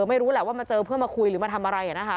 ไม่รู้แหละว่ามาเจอเพื่อมาคุยหรือมาทำอะไรนะคะ